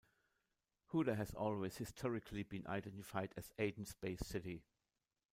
Houta has always historically been identified as Aden's base city.